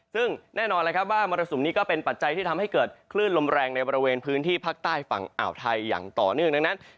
ซึ่งแน่นอนแล้วครับว่ามรสุมนี้ก็เป็นปัจจัยที่ทำให้เกิดคลื่นลมแรงในบริเวณพื้นที่ภาคใต้ฝั่งอ่าวไทยอย่างต่อเนื่องดังนั้น